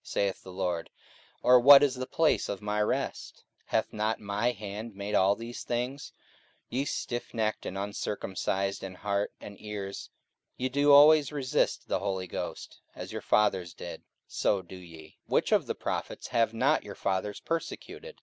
saith the Lord: or what is the place of my rest? 44:007:050 Hath not my hand made all these things? 44:007:051 Ye stiffnecked and uncircumcised in heart and ears, ye do always resist the Holy Ghost: as your fathers did, so do ye. 44:007:052 Which of the prophets have not your fathers persecuted?